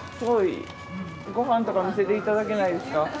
ご飯とか見せていただけないですか？